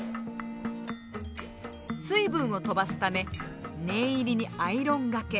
水分を飛ばすため念入りにアイロンがけ。